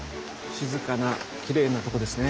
静かなきれいなとこですね。